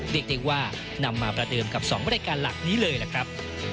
เรียกได้ว่านำมาประเดิมกับ๒บริการหลักนี้เลยล่ะครับ